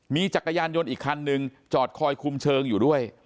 มีจักรยานยนต์อีกคันนึงจอดคอยคุมเชิงอยู่ด้วย